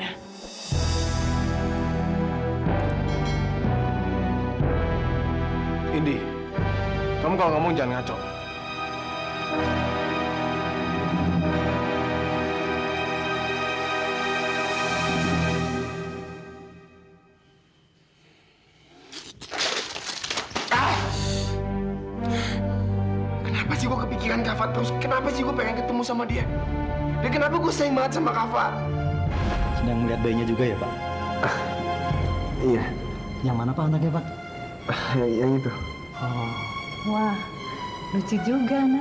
aku gak pernah berpikir untuk melakukan hal itu do